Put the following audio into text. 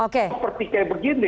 seperti kayak begini